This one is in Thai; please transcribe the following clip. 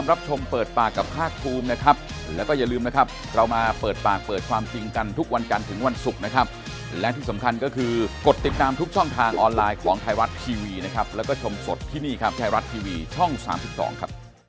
อันนี้ผมก็ให้ข้อสังเกตนะฮะ